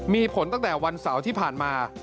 มีผลตั้งแต่วันเสาร์ที่ผ่านมา